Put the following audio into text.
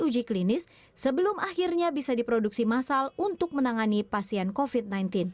uji klinis sebelum akhirnya bisa diproduksi massal untuk menangani pasien covid sembilan belas